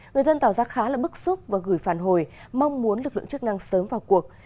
người dân tỏ ra khá là bức xúc và gửi phản hồi mong muốn lực lượng chức năng sớm vào cuộc